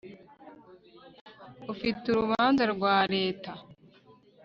afite urubanza rwa leta